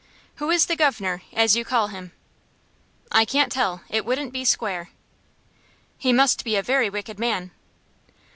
"Who is the guv'nor, as you call him?" "I can't tell; it wouldn't be square." "He must be a very wicked man."